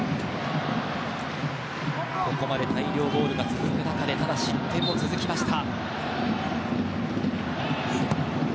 ここまで大量ゴールが続く中でただ、失点も続きました。